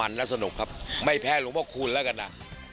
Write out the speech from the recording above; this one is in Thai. มันแล้วสนุกครับไม่แพ้หลวงพระคูณแล้วกันนะ